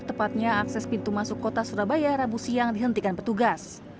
tepatnya akses pintu masuk kota surabaya rabu siang dihentikan petugas